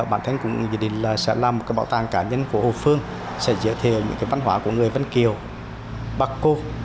bản thân cũng dự định là sẽ làm một cái bảo tàng cá nhân của hồ phương sẽ giới thiệu những cái văn hóa của người vân kiều paco